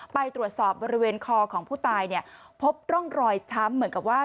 ไปตรวจสอบบริเวณคอของผู้ตายเนี่ยพบร่องรอยช้ำเหมือนกับว่า